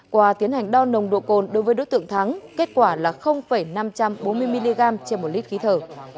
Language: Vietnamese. qua tiến hành đo nồng độ cồn đối với đối tượng thắng kết quả là năm trăm bốn mươi mg trên một lít khí thở